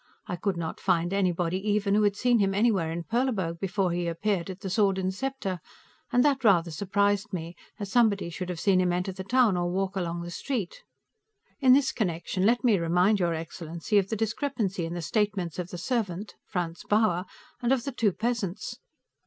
I could not find anybody, even, who had seen him anywhere in Perleburg before he appeared at the Sword & Scepter, and that rather surprised me, as somebody should have seen him enter the town, or walk along the street. In this connection, let me remind your excellency of the discrepancy in the statements of the servant, Franz Bauer, and of the two peasants.